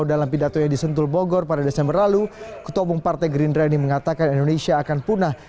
dalam pidato yang disentul bogor pada desember lalu ketopung partai green ready mengatakan indonesia akan punah